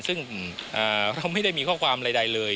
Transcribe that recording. ซึ่งเขาไม่ได้มีข้อความใดเลย